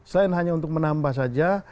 selain hanya untuk menambah saja